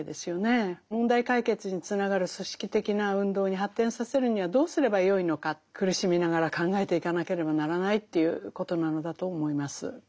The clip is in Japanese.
問題解決につながる組織的な運動に発展させるにはどうすればよいのか苦しみながら考えていかなければならないということなのだと思います。